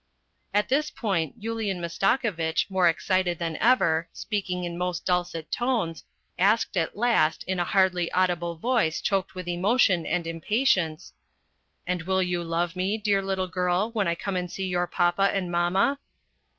At this point Yulian Mastakovitch, more excited than ever, speaking in most dulcet tones, asked at last, in a hardly audible voice choked with emotion and impatience " And will you love me, dear little girl, when I come and see your papa and mamma